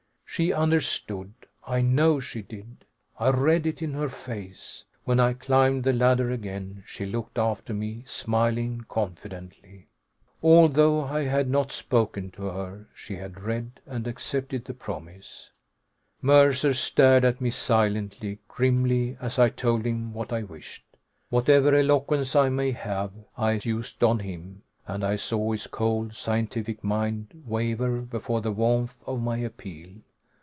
She understood, I know she did. I read it in her face. When I climbed the ladder again, she looked after me, smiling confidently. Although I had not spoken to her, she had read and accepted the promise. Mercer stared at me silently, grimly, as I told him what I wished. Whatever eloquence I may have, I used on him, and I saw his cold, scientific mind waver before the warmth of my appeal.